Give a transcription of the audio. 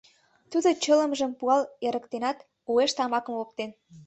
Тудо чылымжым пуал эрыктенат, уэш тамакым оптен.